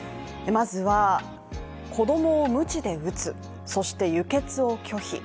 まずは子供をむちで打つ、そして輸血を拒否。